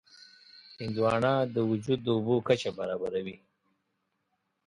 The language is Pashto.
هندوانه د وجود د اوبو کچه برابروي.